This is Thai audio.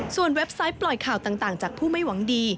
เว็บไซต์ปล่อยข่าวต่างจากผู้ไม่หวังดี